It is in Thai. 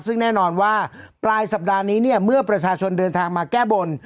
ซึ่งแน่นอนว่าปลายสัปดาห์นี้เนี่ยเมื่อประชาชนเดินทางมาแก้บน